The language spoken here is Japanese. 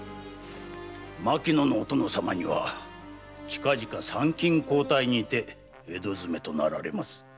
牧野のお殿様には近々参勤交代にて江戸詰めとなられます。